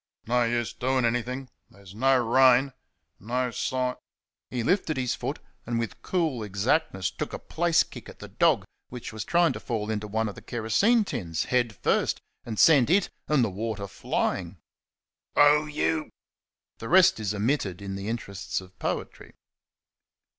no use doing anything...there's no rain...no si " he lifted his foot and with cool exactness took a place kick at the dog, which was trying to fall into one of the kerosene tins, head first, and sent it and the water flying. "Oh you !" The rest is omitted in the interests of Poetry.